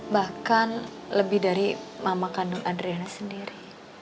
bahkan lebih dari mama kandung adriana sendiri